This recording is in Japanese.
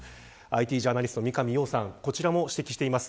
ＩＴジャーナリスト、三上洋さんこちらも指摘しています。